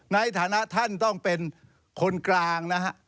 ในฐานะท่านต้องเป็นคนกลางนะฮะ